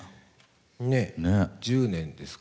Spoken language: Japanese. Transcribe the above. ねっ１０年ですか？